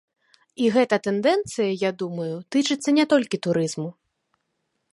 І гэта тэндэнцыя, я думаю, тычыцца не толькі турызму.